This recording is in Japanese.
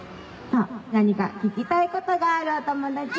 何か聞きたいことがあるお友達？